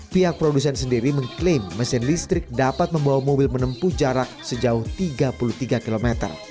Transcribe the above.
pihak produsen sendiri mengklaim mesin listrik dapat membawa mobil menempuh jarak sejauh tiga puluh tiga km